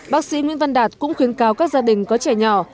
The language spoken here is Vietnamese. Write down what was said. bác sĩ nguyễn văn đạt cũng khuyến cáo các gia đình có trẻ nhỏ